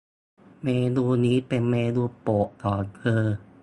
เมนูนี้เป็นเมนูโปรดของเธอ